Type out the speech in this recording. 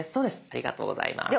ありがとうございます。